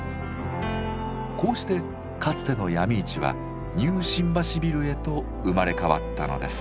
こうしてかつての闇市はニュー新橋ビルへと生まれ変わったのです。